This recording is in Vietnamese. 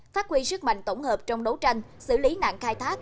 phát huy sức mạnh tổng hợp trong đấu tranh xử lý nạn khai thác